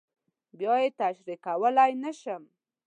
بیا یې تشریح کولی نه شم.